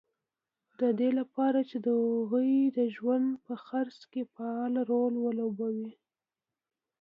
د دې لپاره چې د هغوی د ژوند په څرخ کې فعال رول ولوبوي